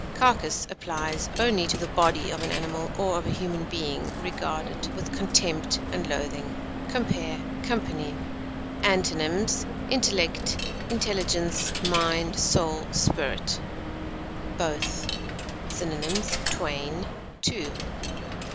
Carcass applies only to the body of an animal, or of a human being regarded with contempt and loathing. Compare COMPANY. Antonyms: intellect, intelligence, mind, soul, spirit. BOTH. Synonyms: twain, two.